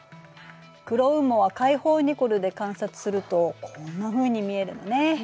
黒雲母は開放ニコルで観察するとこんなふうに見えるのね。